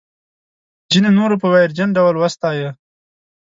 ځینو نورو په ویرجن ډول وستایه.